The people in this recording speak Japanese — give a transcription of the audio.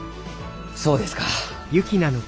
そうですか。